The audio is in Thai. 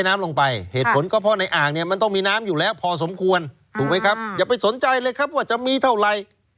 ไม่สนใจเลยครับว่าจะมีเท่าไร